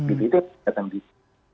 itu yang datang di indonesia